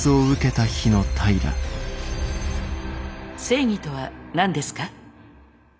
正義とは何ですか？